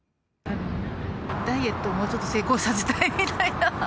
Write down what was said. ダイエットをもうちょっと成功させたいみたいな。